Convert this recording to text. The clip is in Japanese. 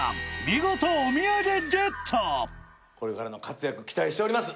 見事これからの活躍期待しております